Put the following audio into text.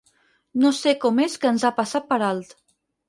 No sé com és que ens ha passat per alt.